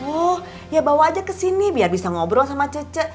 oh ya bawa aja kesini biar bisa ngobrol sama cece